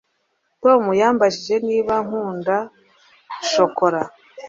tom yambajije niba nkunda shokora